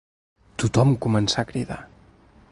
Tothom començà a cridar